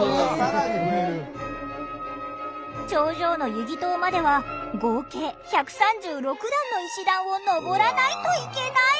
頂上の瑜祗塔までは合計１３６段の石段を上らないといけない。